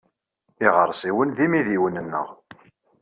Iɣersiwen d imidiwen-nneɣ.